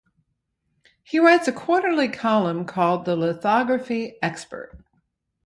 He writes a quarterly column called the Lithography Expert.